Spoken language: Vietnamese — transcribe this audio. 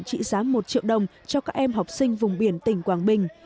trị giá một triệu đồng cho các em học sinh vùng biển tỉnh quảng bình